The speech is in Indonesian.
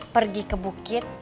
pergi ke bukit